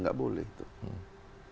gak boleh itu